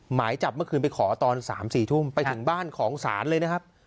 หมายจับเมื่อคืนไปขอตอน๓๔ทุ่มไปถึงบ้านของศาลเลยนะครับ